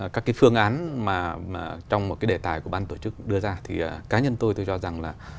các phương án trong một đề tài của ban tổ chức đưa ra thì cá nhân tôi cho rằng là